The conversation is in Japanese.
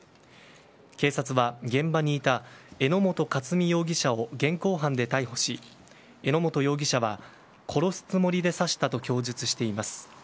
警察は現場にいた榎本勝美容疑者を現行犯で逮捕し榎本容疑者は殺すつもりで刺したと供述しています。